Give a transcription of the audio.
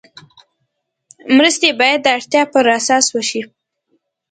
مرستې باید د اړتیا پر اساس وشي.